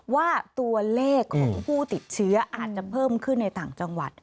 ว่าตัวเลขของผู้ติดเชื้ออาจจะเพิ่มขึ้นในต่างจังหวัด